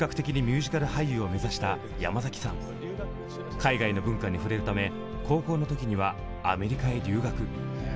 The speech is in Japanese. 海外の文化に触れるため高校の時にはアメリカへ留学。